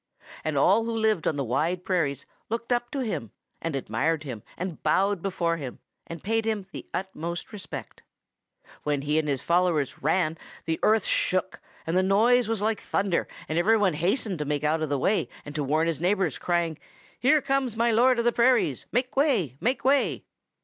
And all who lived on the Wide Prairies looked up to him and admired him and bowed before him and paid him the utmost respect. When he and his followers ran the earth shook, and the noise was like thunder, and everybody hastened to get out of the way and to warn his neighbors, crying: 'Here comes my Lord of the Prairies! Make way! Make way!'